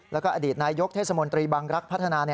แล้วก็อดีตนายกเทศมนตรีบังรักษ์พัฒนา